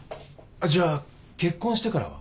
じゃあ結婚してからは？